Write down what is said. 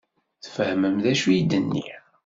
Tfehmem d acu i d-nniɣ?